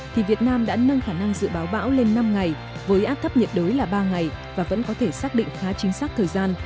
thì việt nam đã nâng khả năng dự báo bão lên năm ngày với áp thấp nhiệt đới là ba ngày và vẫn có thể xác định khá chính xác thời gian